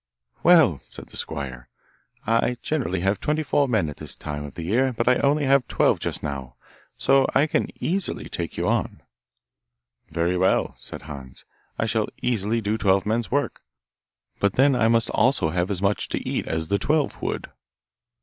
'Well,' said the squire, 'I generally have twenty four men at this time of the year, but I have only twelve just now, so I can easily take you on.' 'Very well,' said Hans, 'I shall easily do twelve men's work, but then I must also have as much to eat as the twelve would.